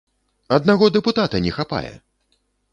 Аднаго дэпутата не хапае!